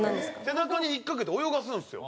背中に引っかけて泳がすんですよ。